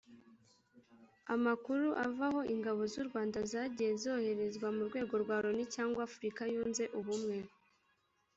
Amakuru ava aho ingabo z’u Rwanda zagiye zoherezwa mu rwego rwa Loni cyangwa Afurika yunze ubumwe